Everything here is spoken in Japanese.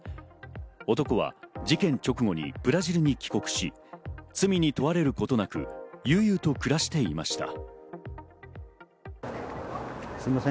男は事件直後にブラジルに帰国し、罪に問われることなく悠々と暮らしていました。